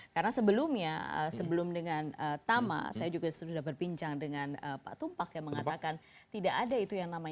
kita sepakat ya